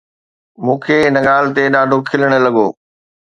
مون کي ان ڳالهه تي ڏاڍو کلڻ لڳو.